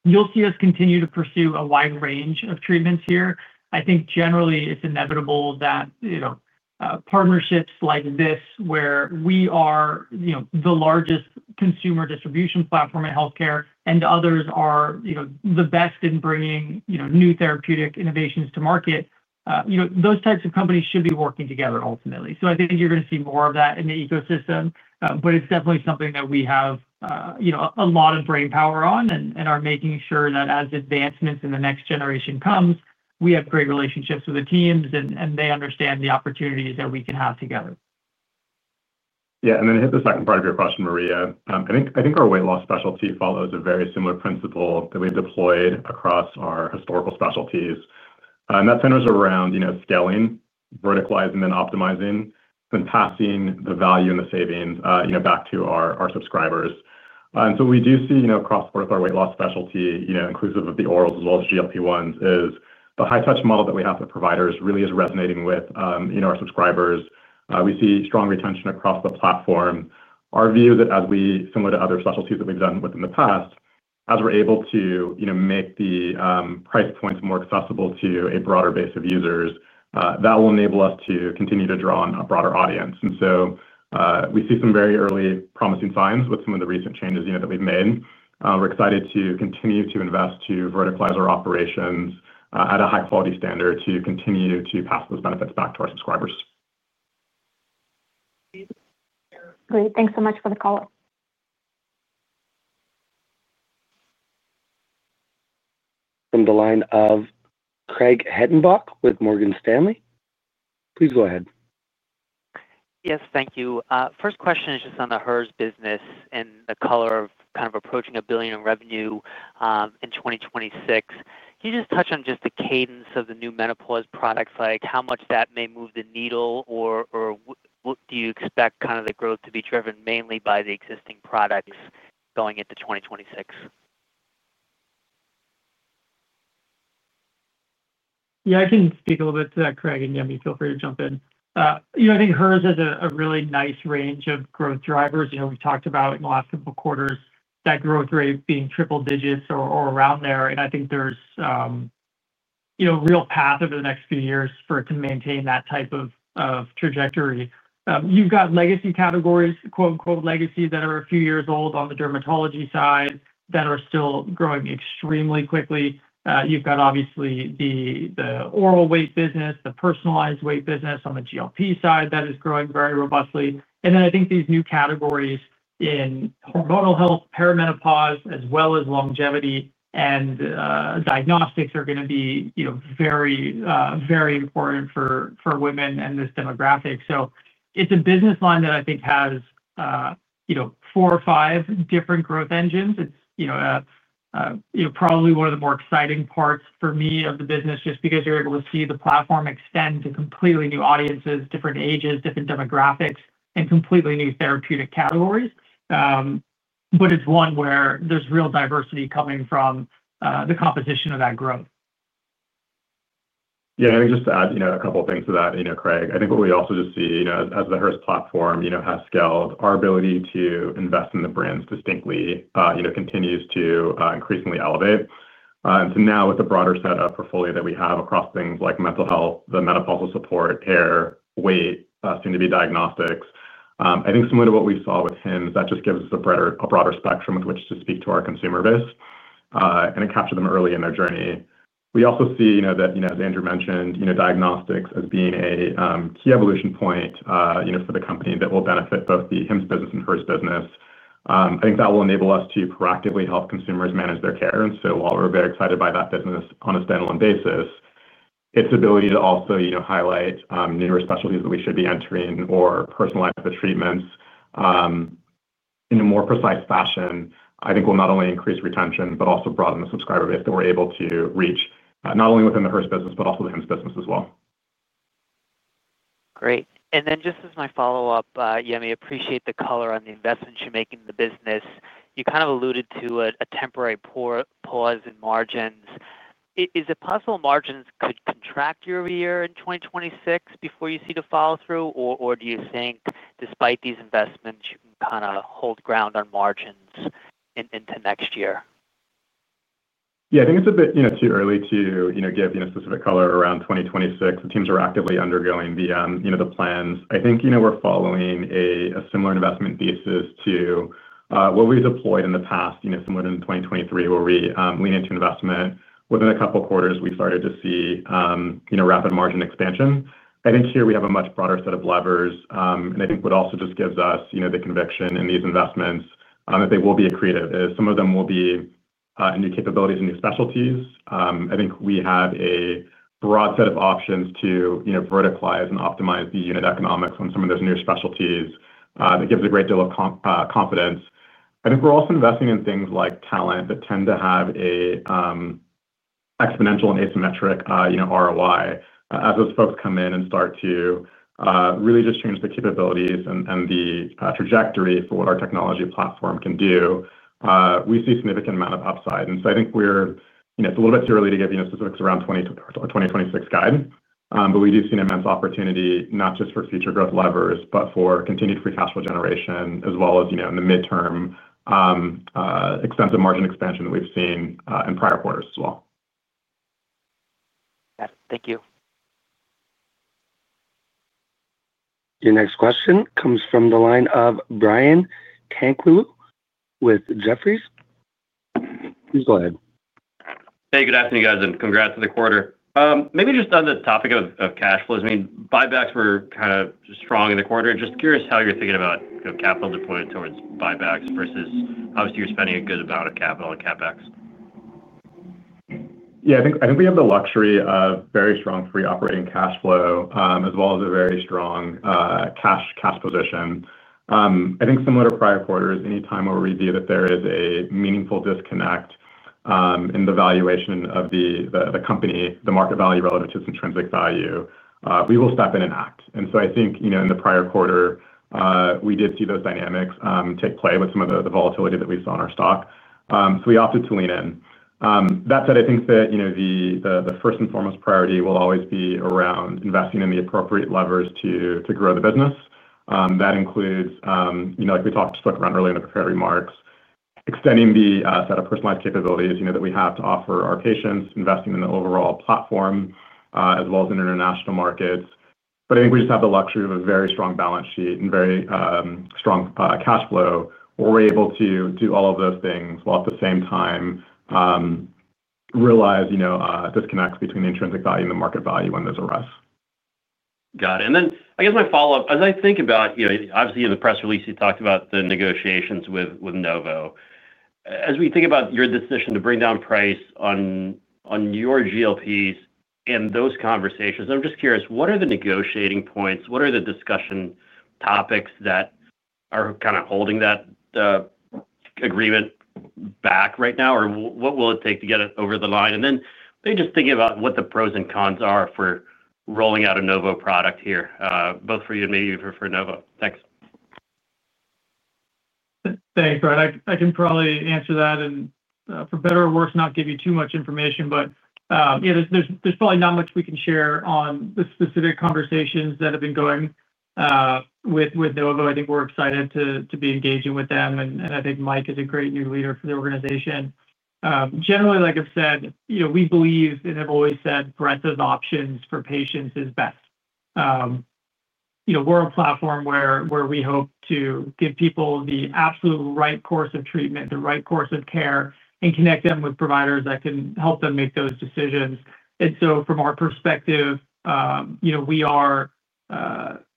Speaker 3: You'll see us continue to pursue a wide range of treatments here. I think generally, it's inevitable that partnerships like this, where we are the largest consumer distribution platform in healthcare and others are the best in bringing new therapeutic innovations to market, those types of companies should be working together ultimately. I think you're going to see more of that in the ecosystem, but it's definitely something that we have a lot of brain power on and are making sure that as advancements in the next generation come, we have great relationships with the teams and they understand the opportunities that we can have together.
Speaker 4: Yeah. Then hit the second part of your question, Maria. I think our weight loss specialty follows a very similar principle that we've deployed across our historical specialties. That centers around scaling, verticalizing, and then optimizing, then passing the value and the savings back to our subscribers. We do see across part of our weight loss specialty, inclusive of the orals as well as GLP-1s, the high-touch model that we have for providers really is resonating with our subscribers. We see strong retention across the platform. Our view is that similar to other specialties that we've done with in the past, as we're able to make the price points more accessible to a broader base of users, that will enable us to continue to draw on a broader audience. We see some very early promising signs with some of the recent changes that we've made. We're excited to continue to invest to verticalize our operations at a high-quality standard to continue to pass those benefits back to our subscribers.
Speaker 6: Great. Thanks so much for the color.
Speaker 1: From the line of Craig Hettenbach with Morgan Stanley. Please go ahead.
Speaker 7: Yes, thank you. First question is just on the Hers business and the color of kind of approaching a billion in revenue in 2026. Can you just touch on just the cadence of the new menopause products, like how much that may move the needle, or do you expect kind of the growth to be driven mainly by the existing products going into 2026?
Speaker 3: Yeah, I can speak a little bit to that, Craig, and Yemi, feel free to jump in. I think Hers has a really nice range of growth drivers. We've talked about in the last couple of quarters that growth rate being triple digits or around there. I think there's a real path over the next few years for it to maintain that type of trajectory. You've got legacy categories, quote-unquote, "legacy," that are a few years old on the dermatology side that are still growing extremely quickly. You've got obviously the oral weight business, the personalized weight business on the GLP side that is growing very robustly. I think these new categories in hormonal health, perimenopause, as well as longevity and diagnostics are going to be very important for women and this demographic. It's a business line that I think has four or five different growth engines. It's probably one of the more exciting parts for me of the business just because you're able to see the platform extend to completely new audiences, different ages, different demographics, and completely new therapeutic categories. It's one where there's real diversity coming from the composition of that growth.
Speaker 4: Yeah. Just to add a couple of things to that, Craig, I think what we also just see as the Hers platform has scaled, our ability to invest in the brands distinctly continues to increasingly elevate. Now with the broader set of portfolio that we have across things like mental health, the menopausal support, care, weight, soon-to-be diagnostics, I think similar to what we saw with Hims, that just gives us a broader spectrum with which to speak to our consumer base. To capture them early in their journey. We also see that, as Andrew mentioned, diagnostics as being a key evolution point for the company that will benefit both the Hims business and Hers business. I think that will enable us to proactively help consumers manage their care. While we're very excited by that business on a standalone basis, its ability to also highlight newer specialties that we should be entering or personalize the treatments in a more precise fashion, I think will not only increase retention, but also broaden the subscriber base that we're able to reach not only within the Hers business, but also the Hims business as well.
Speaker 7: Great. Just as my follow-up, Yemi, I appreciate the color on the investment you're making in the business. You kind of alluded to a temporary pause in margins. Is it possible margins could contract year-over-year in 2026 before you see the follow-through, or do you think despite these investments, you can kind of hold ground on margins into next year?
Speaker 4: Yeah. I think it's a bit too early to give a specific color around 2026. The teams are actively undergoing the plans. I think we're following a similar investment thesis to what we deployed in the past, similar to 2023, where we lean into investment. Within a couple of quarters, we started to see rapid margin expansion. I think here we have a much broader set of levers. What also just gives us the conviction in these investments that they will be accretive is some of them will be new capabilities and new specialties. I think we have a broad set of options to verticalize and optimize the unit economics on some of those new specialties. That gives a great deal of confidence. I think we're also investing in things like talent that tend to have an exponential and asymmetric ROI. As those folks come in and start to really just change the capabilities and the trajectory for what our technology platform can do, we see a significant amount of upside. I think it's a little bit too early to give specifics around 2026 guidance, but we do see an immense opportunity, not just for future growth levers, but for continued free cash flow generation, as well as in the midterm, extensive margin expansion that we've seen in prior quarters as well.
Speaker 7: Got it. Thank you.
Speaker 1: The next question comes from the line of Brian Tanquilut with Jefferies. Please go ahead.
Speaker 8: Hey, good afternoon, guys, and congrats to the quarter. Maybe just on the topic of cash flows, I mean, buybacks were kind of strong in the quarter. Just curious how you're thinking about capital deployed towards buybacks versus obviously you're spending a good amount of capital on CapEx.
Speaker 4: Yeah. I think we have the luxury of very strong free operating cash flow as well as a very strong cash position. I think similar to prior quarters, anytime where we view that there is a meaningful disconnect in the valuation of the company, the market value relative to its intrinsic value, we will step in and act. I think in the prior quarter, we did see those dynamics take play with some of the volatility that we saw in our stock. We opted to lean in. That said, I think that the first and foremost priority will always be around investing in the appropriate levers to grow the business. That includes, like we talked to Brooke around earlier in the preparatory remarks, extending the set of personalized capabilities that we have to offer our patients, investing in the overall platform as well as international markets. I think we just have the luxury of a very strong balance sheet and very strong cash flow where we're able to do all of those things while at the same time realize disconnects between intrinsic value and the market value when there's a rush.
Speaker 8: Got it. I guess my follow-up, as I think about, obviously, in the press release, you talked about the negotiations with Novo. As we think about your decision to bring down price on your GLPs and those conversations, I'm just curious, what are the negotiating points? What are the discussion topics that are kind of holding that agreement back right now? Or what will it take to get it over the line? Maybe just thinking about what the pros and cons are for rolling out a Novo product here, both for you and maybe even for Novo. Thanks.
Speaker 3: Thanks, Brian. I can probably answer that and, for better or worse, not give you too much information. Yeah, there's probably not much we can share on the specific conversations that have been going with Novo. I think we're excited to be engaging with them. I think Mike is a great new leader for the organization. Generally, like I've said, we believe and have always said breadth of options for patients is best. We're a platform where we hope to give people the absolute right course of treatment, the right course of care, and connect them with providers that can help them make those decisions. From our perspective, we are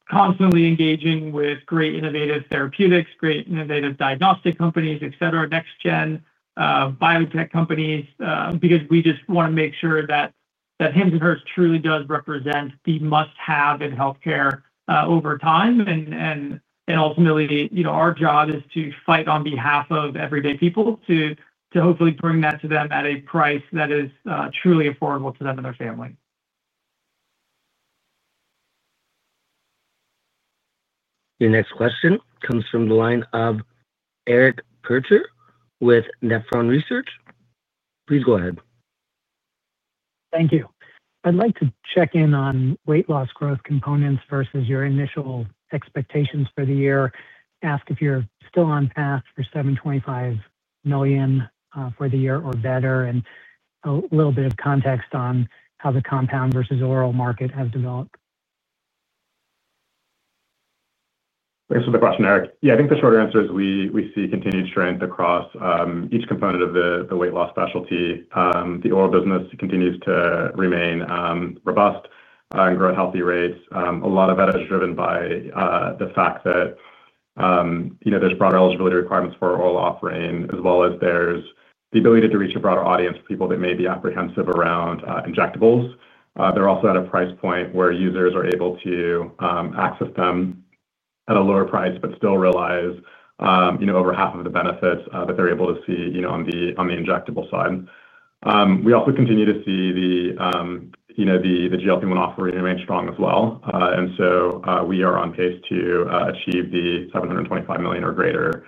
Speaker 3: constantly engaging with great innovative therapeutics, great innovative diagnostic companies, next-gen biotech companies, because we just want to make sure that Hims & Hers truly does represent the must-have in healthcare over time. Ultimately, our job is to fight on behalf of everyday people to hopefully bring that to them at a price that is truly affordable to them and their family.
Speaker 1: The next question comes from the line of Eric Percher with Nephron Research. Please go ahead.
Speaker 9: Thank you. I'd like to check in on weight loss growth components versus your initial expectations for the year. Ask if you're still on path for $725 million for the year or better, and a little bit of context on how the compound versus oral market has developed.
Speaker 4: Thanks for the question, Eric. Yeah, I think the short answer is we see continued strength across each component of the weight loss specialty. The oral business continues to remain robust and grow at healthy rates. A lot of that is driven by the fact that there's broader eligibility requirements for oral offering, as well as there's the ability to reach a broader audience of people that may be apprehensive around injectables. They're also at a price point where users are able to access them at a lower price, but still realize over half of the benefits that they're able to see on the injectable side. We also continue to see the GLP-1 offering remain strong as well. We are on pace to achieve the $725 million or greater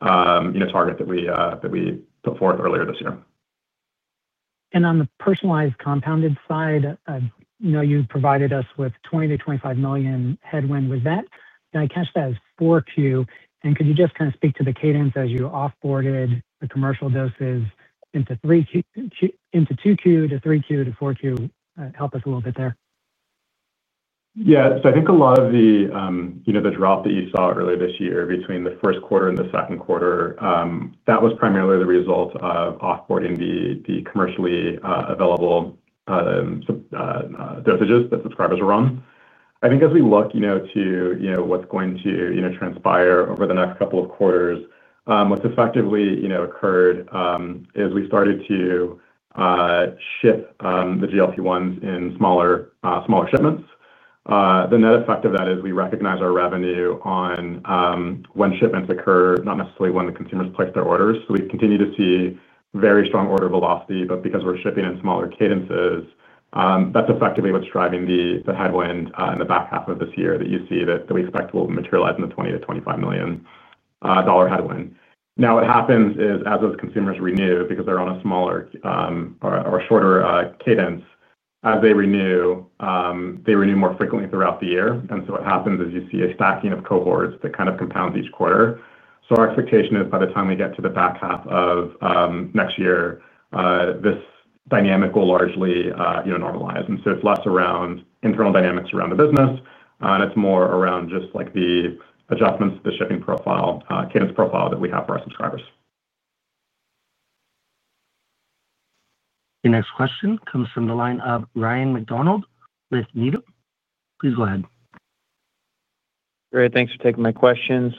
Speaker 4: target that we put forth earlier this year.
Speaker 9: On the personalized compounded side, you provided us with $20 million-$25 million headwind. Was that—can I catch that as 4Q? Could you just kind of speak to the cadence as you offboarded the commercial doses into 2Q to 3Q to 4Q? Help us a little bit there.
Speaker 4: Yeah. I think a lot of the drop that you saw earlier this year between the first quarter and the second quarter, that was primarily the result of offboarding the commercially available dosages that subscribers were on. I think as we look to what's going to transpire over the next couple of quarters, what's effectively occurred is we started to ship the GLP-1s in smaller shipments. The net effect of that is we recognize our revenue on when shipments occur, not necessarily when the consumers place their orders. We continue to see very strong order velocity. Because we're shipping in smaller cadences, that's effectively what's driving the headwind in the back half of this year that you see that we expect will materialize in the $20 million-$25 million headwind. Now, what happens is, as those consumers renew, because they're on a smaller or shorter cadence, as they renew, they renew more frequently throughout the year. What happens is you see a stacking of cohorts that kind of compounds each quarter. Our expectation is by the time we get to the back half of next year, this dynamic will largely normalize. It's less around internal dynamics around the business, and it's more around just the adjustments to the shipping profile, cadence profile that we have for our subscribers.
Speaker 1: The next question comes from the line of Ryan MacDonald with Needham. Please go ahead.
Speaker 10: Great. Thanks for taking my questions.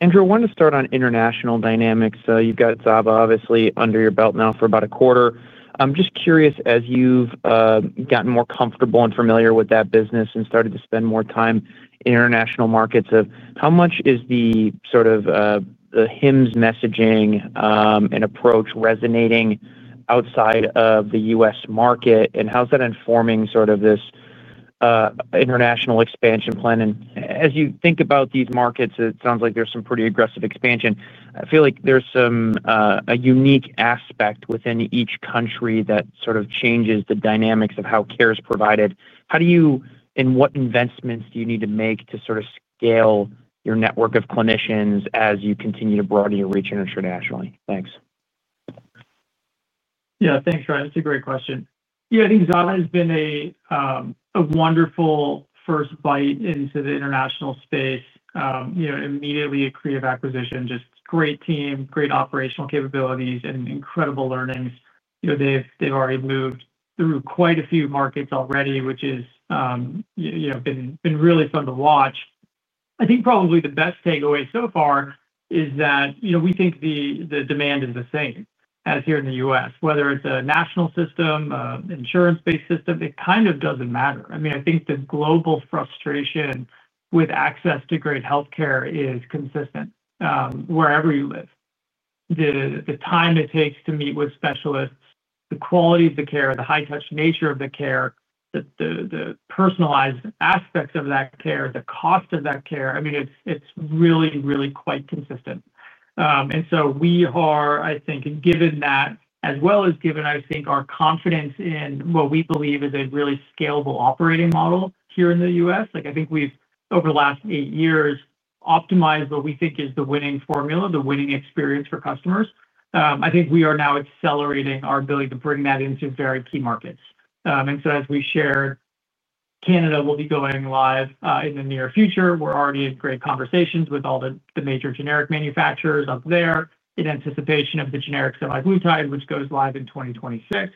Speaker 10: Andrew, I wanted to start on international dynamics. So you've got ZAVA, obviously, under your belt now for about a quarter. I'm just curious, as you've gotten more comfortable and familiar with that business and started to spend more time in international markets, how much is the sort of Hims messaging and approach resonating outside of the U.S. market? And how's that informing sort of this international expansion plan? As you think about these markets, it sounds like there's some pretty aggressive expansion. I feel like there's a unique aspect within each country that sort of changes the dynamics of how care is provided. How do you—and what investments do you need to make to sort of scale your network of clinicians as you continue to broaden your reach internationally? Thanks.
Speaker 3: Yeah. Thanks, Brian. That's a great question. Yeah. I think ZAVA has been a wonderful first bite into the international space. Immediately, a creative acquisition, just great team, great operational capabilities, and incredible learnings. They've already moved through quite a few markets already, which has been really fun to watch. I think probably the best takeaway so far is that we think the demand is the same as here in the U.S. Whether it's a national system, an insurance-based system, it kind of doesn't matter. I mean, I think the global frustration with access to great healthcare is consistent wherever you live. The time it takes to meet with specialists, the quality of the care, the high-touch nature of the care, the personalized aspects of that care, the cost of that care, I mean, it's really, really quite consistent. We are, I think, given that, as well as given, I think, our confidence in what we believe is a really scalable operating model here in the U.S., I think we've, over the last eight years, optimized what we think is the winning formula, the winning experience for customers. I think we are now accelerating our ability to bring that into very key markets. As we shared, Canada will be going live in the near future. We're already in great conversations with all the major generic manufacturers up there in anticipation of the generic semaglutide, which goes live in 2026.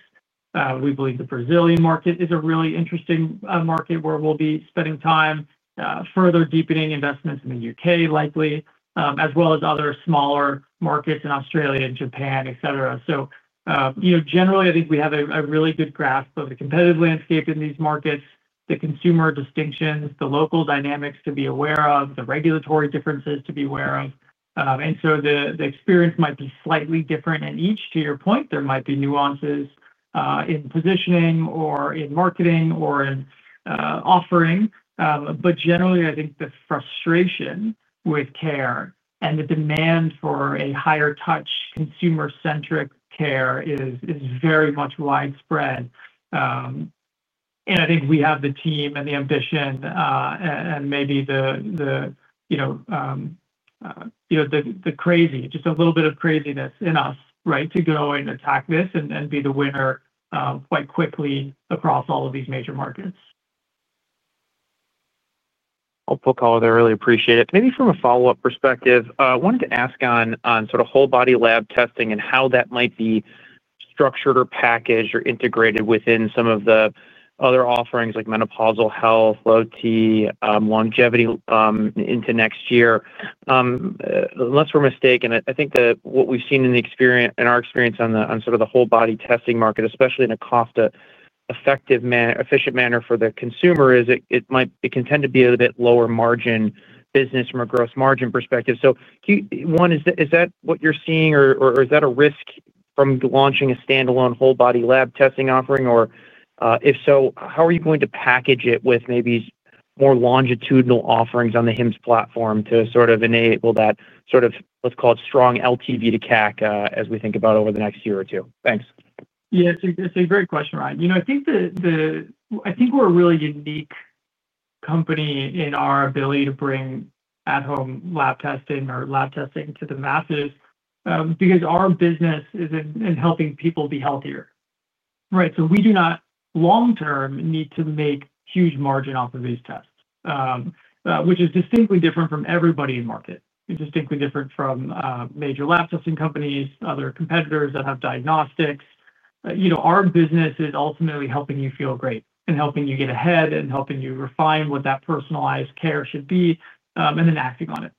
Speaker 3: We believe the Brazilian market is a really interesting market where we'll be spending time further deepening investments in the U.K., likely, as well as other smaller markets in Australia, Japan, etc. Generally, I think we have a really good grasp of the competitive landscape in these markets, the consumer distinctions, the local dynamics to be aware of, the regulatory differences to be aware of. The experience might be slightly different in each. To your point, there might be nuances in positioning or in marketing or in offering. Generally, I think the frustration with care and the demand for a higher-touch, consumer-centric care is very much widespread. I think we have the team and the ambition, and maybe just a little bit of craziness in us, right, to go and attack this and be the winner quite quickly across all of these major markets.
Speaker 10: I really appreciate it. Maybe from a follow-up perspective, I wanted to ask on sort of whole-body lab testing and how that might be structured or packaged or integrated within some of the other offerings like menopausal health, low testosterone, longevity, into next year. Unless we're mistaken, I think that what we've seen in our experience on sort of the whole-body testing market, especially in a cost-effective, efficient manner for the consumer, is it can tend to be a bit lower-margin business from a gross margin perspective. One, is that what you're seeing, or is that a risk from launching a standalone whole-body lab testing offering? If so, how are you going to package it with maybe more longitudinal offerings on the Hims platform to sort of enable that strong LTV to CAC as we think about over the next year or two? Thanks.
Speaker 3: Yeah, it's a great question, Ryan. I think we're a really unique company in our ability to bring at-home lab testing or lab testing to the masses because our business is in helping people be healthier, right? We do not, long-term, need to make huge margin off of these tests, which is distinctly different from everybody in market, distinctly different from major lab testing companies, other competitors that have diagnostics. Our business is ultimately helping you feel great and helping you get ahead and helping you refine what that personalized care should be and then acting on it.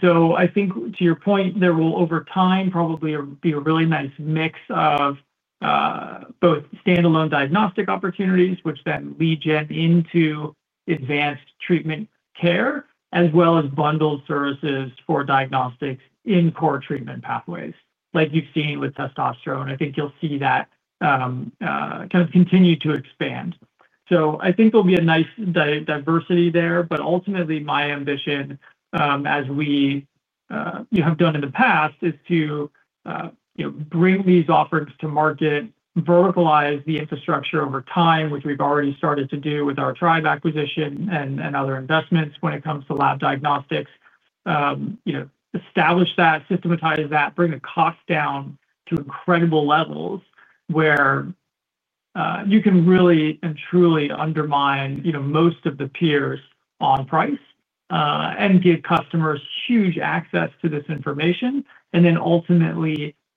Speaker 3: To your point, there will, over time, probably be a really nice mix of both standalone diagnostic opportunities, which then lead gen into advanced treatment care, as well as bundled services for diagnostics in core treatment pathways, like you've seen with testosterone. I think you'll see that continue to expand. I think there'll be a nice diversity there. Ultimately, my ambition, as we have done in the past, is to bring these offerings to market, verticalize the infrastructure over time, which we've already started to do with our tribe acquisition and other investments when it comes to lab diagnostics, establish that, systematize that, bring the cost down to incredible levels where you can really and truly undermine most of the peers on price, and give customers huge access to this information,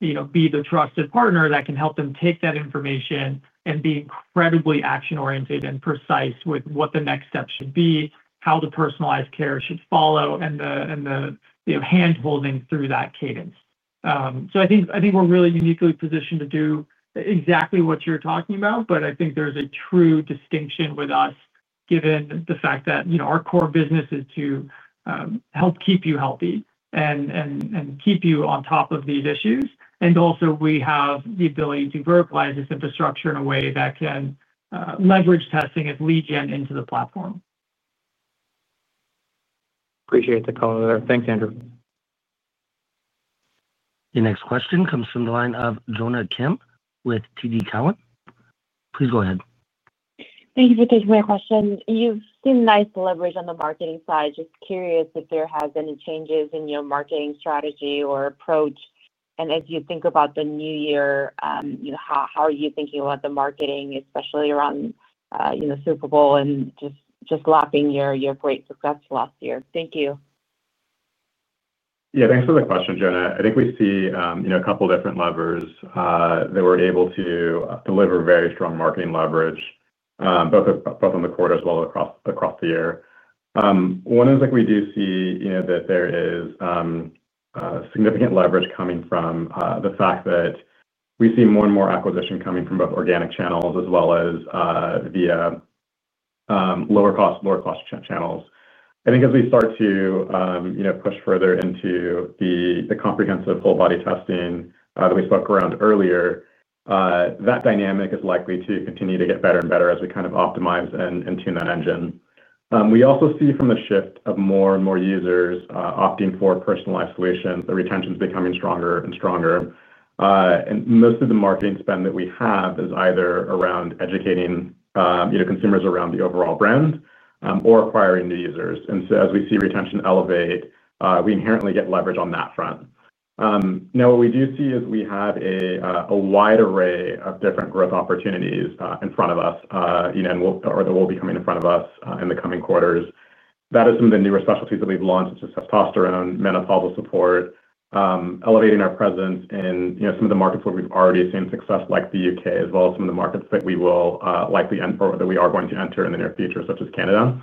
Speaker 3: and then ultimately be the trusted partner that can help them take that information and be incredibly action-oriented and precise with what the next step should be, how the personalized care should follow, and the hand-holding through that cadence. I think we're really uniquely positioned to do exactly what you're talking about, but I think there's a true distinction with us, given the fact that our core business is to help keep you healthy and keep you on top of these issues. Also, we have the ability to verticalize this infrastructure in a way that can leverage testing as lead Gen into the platform.
Speaker 10: Appreciate the call there. Thanks, Andrew.
Speaker 1: The next question comes from the line of Jonna Kim with TD Cowen. Please go ahead.
Speaker 11: Thank you for taking my question. You've seen nice leverage on the marketing side. Just curious if there have been any changes in your marketing strategy or approach. As you think about the new year, how are you thinking about the marketing, especially around Super Bowl and just lapping your great success last year? Thank you.
Speaker 4: Yeah. Thanks for the question, Jonna. I think we see a couple of different levers that we're able to deliver very strong marketing leverage both on the quarter as well as across the year. One is we do see that there is significant leverage coming from the fact that we see more and more acquisition coming from both organic channels as well as via lower-cost channels. I think as we start to push further into the comprehensive whole-body testing that we spoke around earlier, that dynamic is likely to continue to get better and better as we kind of optimize and tune that engine. We also see from the shift of more and more users opting for personalized solutions, the retention's becoming stronger and stronger. Most of the marketing spend that we have is either around educating consumers around the overall brand or acquiring new users. As we see retention elevate, we inherently get leverage on that front. Now, what we do see is we have a wide array of different growth opportunities in front of us or that will be coming in front of us in the coming quarters. That is some of the newer specialties that we've launched: testosterone, menopausal support. Elevating our presence in some of the markets where we've already seen success, like the U.K., as well as some of the markets that we will likely enter or that we are going to enter in the near future, such as Canada.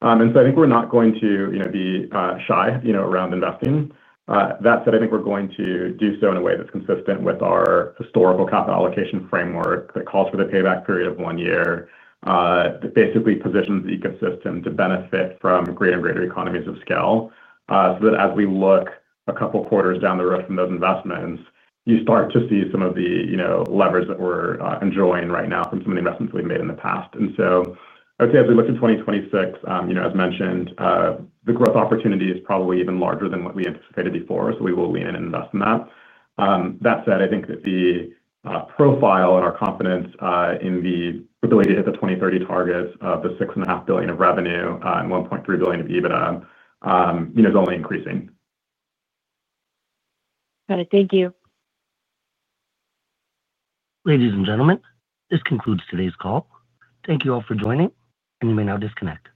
Speaker 4: I think we're not going to be shy around investing. That said, I think we're going to do so in a way that's consistent with our historical capital allocation framework that calls for the payback period of one year, that basically positions the ecosystem to benefit from greater and greater economies of scale. As we look a couple of quarters down the road from those investments, you start to see some of the leverage that we're enjoying right now from some of the investments we've made in the past. I would say as we look to 2026, as mentioned, the growth opportunity is probably even larger than what we anticipated before. We will lean in and invest in that. That said, I think that the profile and our confidence in the ability to hit the 2030 targets of the $6.5 billion of revenue and $1.3 billion of EBITDA is only increasing.
Speaker 11: Got it. Thank you.
Speaker 1: Ladies and gentlemen, this concludes today's call. Thank you all for joining, and you may now disconnect.